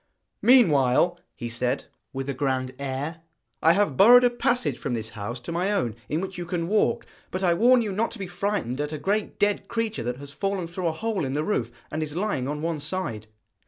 'Meanwhile,' he said, with a grand air, 'I have burrowed a passage from this house to my own, in which you can walk; but I warn you not to be frightened at a great dead creature that has fallen through a hole in the roof, and is lying on one side.'